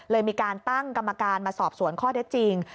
มีการตั้งกรรมการมาสอบสวนข้อเท็จจริง